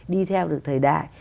đi theo được thời đại